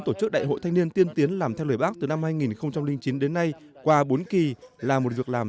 tổ chức đại hội thanh niên tiên tiến làm theo lời bác từ năm hai nghìn chín đến nay qua bốn kỳ là một việc làm